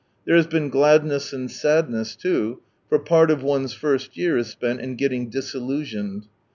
There has been gladness and sadness too, for part of one's first year is spent in getting disillusioned.